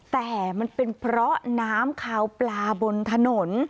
แต่มันเป็นเพราะน้ำคาวปลาบนถนน